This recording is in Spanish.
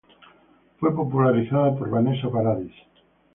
Fue popularizada por Vanessa Paradis.